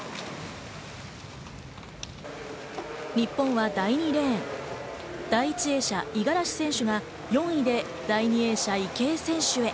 日本は第２レーン、第１泳者・五十嵐選手が４位で第２泳者・池江選手へ。